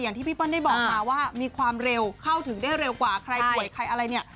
ที่พี่เปิ้ลได้บอกมาว่ามีความเร็วเข้าถึงได้เร็วกว่าใครป่วยใครอะไรเนี่ย